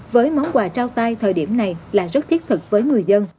với món quà trao tay thời điểm này là rất thiết thực với người dân